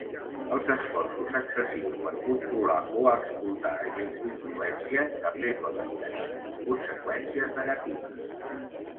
Els esforços excessius per controlar o explotar agents d'influència també poden tenir conseqüències negatives.